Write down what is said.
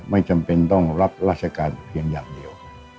ไม่จำเป็นต้องรับราชการเพียงอย่างเดียว